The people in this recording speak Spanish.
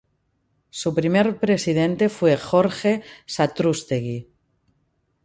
Su primer presidente fue Jorge Satrústegui.